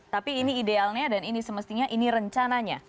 tapi ini idealnya dan ini semestinya ini rencananya